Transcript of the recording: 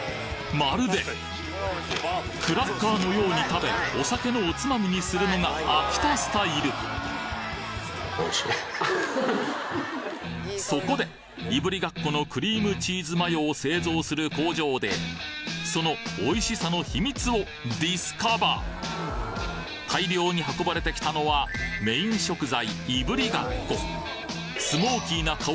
まるでクラッカーのように食べお酒のおつまみにするのが秋田スタイルそこでいぶりがっこのクリームチーズマヨを製造する工場でそのおいしさの秘密をディスカバ大量に運ばれてきたのはメイン食材